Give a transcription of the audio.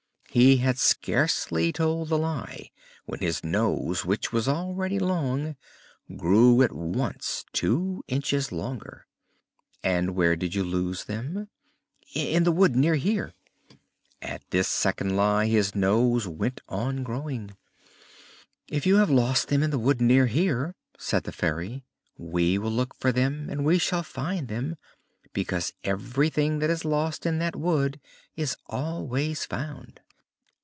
He had scarcely told the lie when his nose, which was already long, grew at once two inches longer. "And where did you lose them?" "In the wood near here." At this second lie his nose went on growing. "If you have lost them in the wood near here," said the Fairy, "we will look for them and we shall find them: because everything that is lost in that wood is always found."